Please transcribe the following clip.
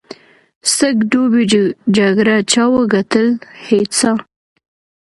سږ دوبي جګړه چا وګټل؟ هېچا.